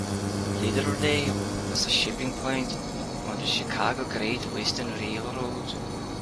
Lidderdale was a shipping point on the Chicago Great Western Railroad.